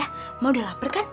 emak udah lapar kan